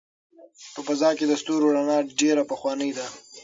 په فضا کې د ستورو رڼا ډېره پخوانۍ ده.